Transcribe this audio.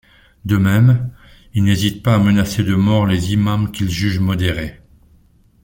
De même, il n'hésite pas à menacer de mort les imams qu'il juge modérés.